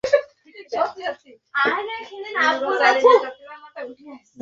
মনে হয় যেন, তুমি অনেককিছু আমার থেকে চেপে রাখো।